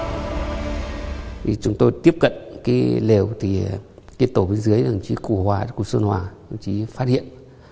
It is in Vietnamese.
khi chúng tôi tiếp cận cái lều thì cái tổ bên dưới là đồng chí cụ hòa cụ xuân hòa đồng chí phát hiện